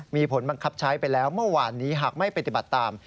มีผลบังคับใช้ไปแล้วเมื่อวานนี้หากไม่ปฏิบัติตาม